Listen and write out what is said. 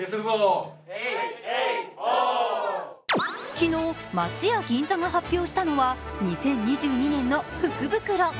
昨日、松屋銀座が発表したのは２０２２年の福袋。